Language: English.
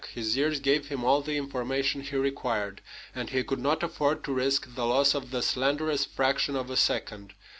His ears gave him all the information he required, and he could not afford to risk the loss of the slenderest fraction of a second.